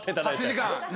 ８時間。